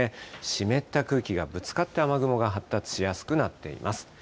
湿った空気がぶつかって雨雲が発達しやすくなっています。